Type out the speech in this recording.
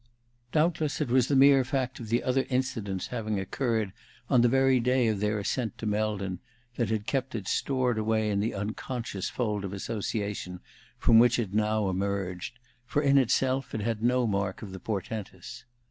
Doubtless it was the mere fact of the other incident's having occurred on the very day of their ascent to Meldon that had kept it stored away in the unconscious fold of association from which it now emerged; for in itself it had no mark of the portentous.